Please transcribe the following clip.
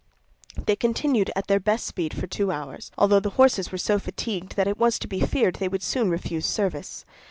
They continued at their best speed for two hours, although the horses were so fatigued that it was to be feared they would soon refuse service.